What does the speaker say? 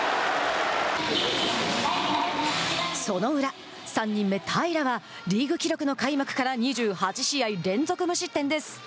その裏、３人目平良はリーグ記録の、開幕から２８試合連続無失点です。